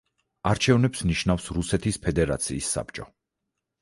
არჩევნებს ნიშნავს რუსეთის ფედერაციის საბჭო.